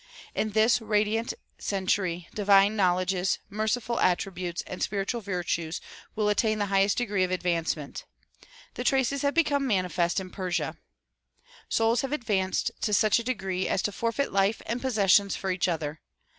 In this radiant cen tury divine knowledges, merciful attributes and spiritual virtues will attain the highest degree of advancement. The traces have become manifest in Persia. Souls have advanced to such a degree as to forfeit life and possessions for each other.